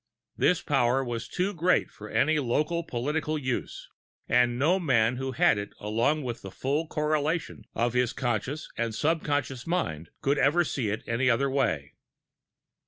This power was too great for any local political use, and no man who had it along with the full correlation of his conscious and subconscious mind could ever see it any other way.